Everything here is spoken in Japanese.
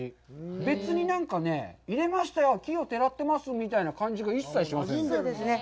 別になんかね、入れましたよ、奇をてらってます、みたいな感じが一切しません。